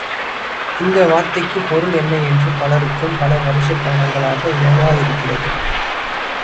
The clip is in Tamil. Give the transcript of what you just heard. இந்த வார்த்தைக்குப் பொருள் என்ன என்றே பலருக்கும் பல வருஷ காலங்களாக விளங்காதிருக்கிறது.